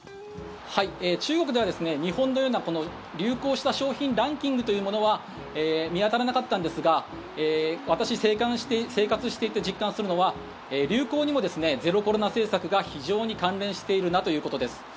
中国では、日本のような流行した商品ランキングというものは見当たらなかったんですが私、生活していて実感するのは流行にもゼロコロナ政策が非常に関連しているなということです。